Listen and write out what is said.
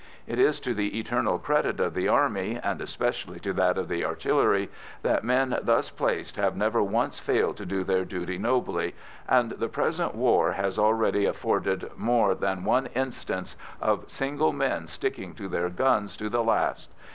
It is to the eternal credit of the Army, and especially to that of the artillery, that men thus placed have never once failed to do their duty nobly, and the present war has already afforded more than one instance of single men sticking to their guns to the last.